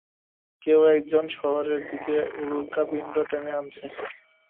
কেউ একজন শহরের দিকে উল্কাপিণ্ড টেনে আনছে?